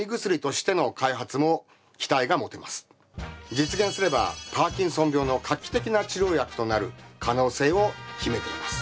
実現すればパーキンソン病の画期的な治療薬となる可能性を秘めています。